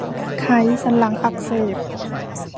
ไขสันหลังอักเสบ